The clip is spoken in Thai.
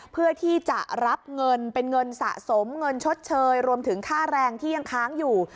เพื่อที่จะรับเงินเป็นเงินสะสมเงินชดเชยรวมถึงค่าแรงที่ยังค้างอยู่